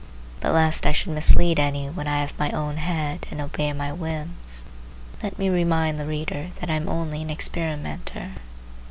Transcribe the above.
But lest I should mislead any when I have my own head and obey my whims, let me remind the reader that I am only an experimenter.